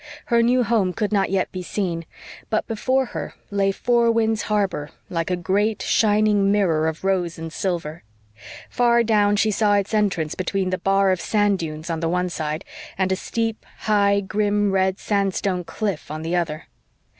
Her new home could not yet be seen; but before her lay Four Winds Harbor like a great, shining mirror of rose and silver. Far down, she saw its entrance between the bar of sand dunes on one side and a steep, high, grim, red sandstone cliff on the other.